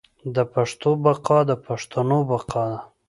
د پښتو بقا د پښتنو بقا ده.